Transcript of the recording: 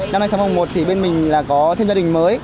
năm nay sáng mùa một thì bên mình là có thêm gia đình mới